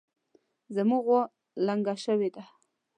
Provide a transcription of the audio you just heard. زمونږ غوا لنګه شوې ده